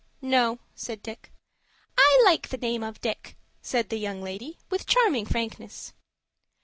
"No," said Dick. "I like the name of Dick," said the young lady, with charming frankness.